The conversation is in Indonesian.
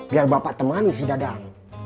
biar bapak temani si dadang